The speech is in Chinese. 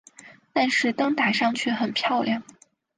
但是灯打上去很漂亮